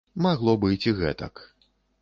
Магло быць і гэтак.